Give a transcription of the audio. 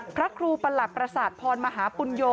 พระครูประหลักษัตริย์พรมหาปุญโย